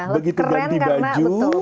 begitu ganti baju